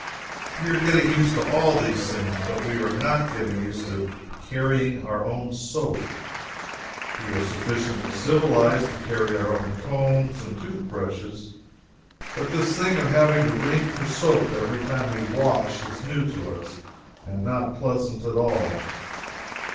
We are getting used to all these things, but we are not getting used to carrying our own soap. We are sufficiently civilized to carry our own combs and toothbrushes, but this thing of having to ring for soap every time we wash is new to us and not pleasant at all.